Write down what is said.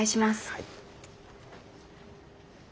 はい。